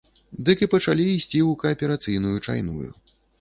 Дык і пачалі ісці ў кааперацыйную чайную.